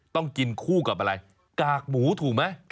ต้องกินคู่กับอะไรกากหมูถูกไหม